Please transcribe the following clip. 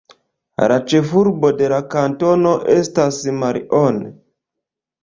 La ĉefurbo de la kantono estas Marion.